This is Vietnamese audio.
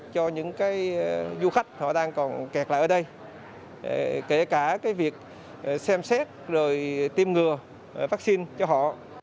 cho những cái du khách họ đang còn kẹt lại ở đây kể cả cái việc xem xét rồi tiêm ngừa vaccine cho họ